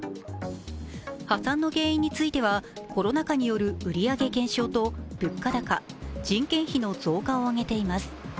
破産の原因についてはコロナ禍による売上減少と物価高、人件費の増加を挙げています。